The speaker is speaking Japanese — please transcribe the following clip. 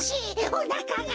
おなかが！